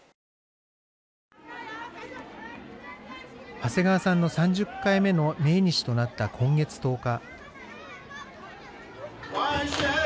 長谷川さんの３０回目の命日となった、今月１０日。